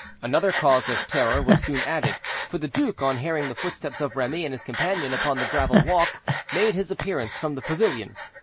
Another cause of terror was soon added; for the duke, on hearing the footsteps of Remy and his companion upon the gravel walk, made his appearance from the pavilion.